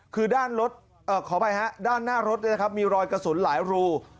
คือด้านรถขออภัยฮะด้านหน้ารถมีรอยกระสุนหลายรู